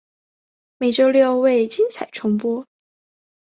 每周六为精彩重播。